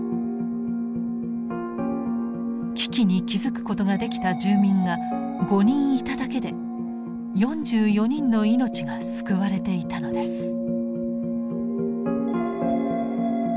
危機に気付くことができた住民が５人いただけで４４人の命が救われていたのです。